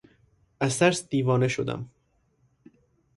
از ترس دیوانه شدم.